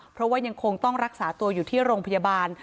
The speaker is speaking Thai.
เพราะว่ายังคงต้องรักษาตัวอยู่ที่โรงพยาบาล